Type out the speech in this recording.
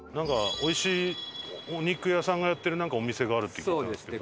おいしいお肉屋さんがやってるお店があるって聞いたんですけど。